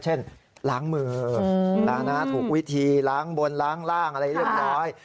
ล้างมือถูกวิธีล้างบนล้างร่างอะไรเรียบร้อย